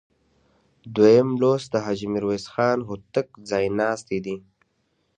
دویم لوست د حاجي میرویس خان هوتک ځایناستي دي.